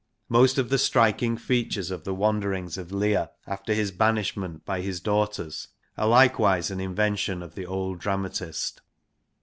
Most of the striking features of the wanderings of Leir after his banishment by his daughters are likewise an invention of the old dramatist.